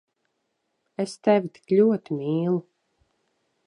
Es tevi tik ļoti mīlu…